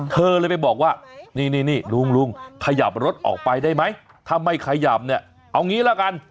เธอเลยไปบอกว่านี่ลุงลุงขยับรถออกไปได้ไหมถ้าไม่ขยับเนี่ยเอางี้ละกัน